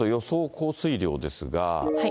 降水量ですが。